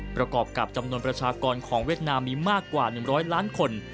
ประกอบกับจำนวนประชากรของเวียดนามมีมากกว่า๑๐๐ล้านคน